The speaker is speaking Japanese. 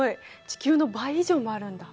地球の倍以上もあるんだ。